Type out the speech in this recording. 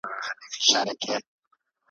هم دنیا هم یې عقبی دواړه بادار وي `